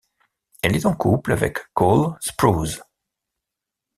Elle est en couple avec Cole Sprouse.